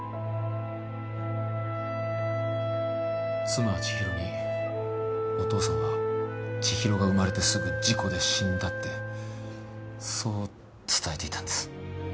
妻はちひろにお父さんはちひろが生まれてすぐ事故で死んだってそう伝えていたんです。